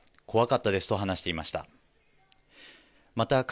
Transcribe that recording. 怖かったですと話していました。